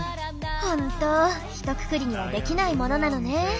ほんとひとくくりにはできないものなのね。